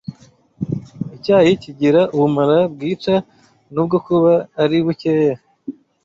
Icyayi kigira ubumara bwica, nubwo buba ari bukeya